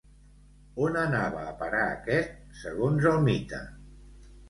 On anava a parar aquest, segons el mite?